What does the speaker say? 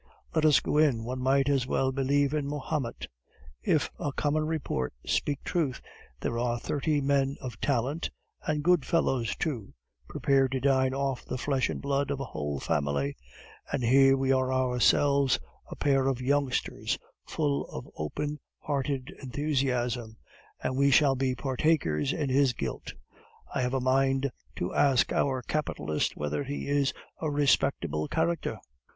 Let us go in, one might as well believe in Mahomet. If common report speak truth, here are thirty men of talent, and good fellows too, prepared to dine off the flesh and blood of a whole family;... and here are we ourselves, a pair of youngsters full of open hearted enthusiasm, and we shall be partakers in his guilt. I have a mind to ask our capitalist whether he is a respectable character...."